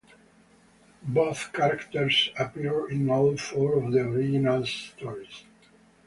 Both characters appear in all four of the originals' stories.